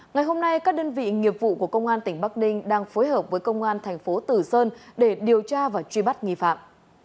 ngày hôm nay các đơn vị nghiệp vụ của công an tỉnh bắc ninh đang phối hợp với công an thành phố tử sơn để điều tra và truy bắt nghi phạm